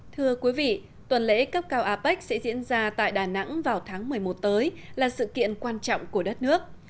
thưa quý vị tuần lễ cấp cao apec sẽ diễn ra tại đà nẵng vào tháng một mươi một tới là sự kiện quan trọng của đất nước